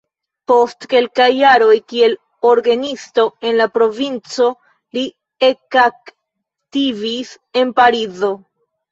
Post kelkaj jaroj kiel orgenisto en la provinco li ekaktivis en Parizo.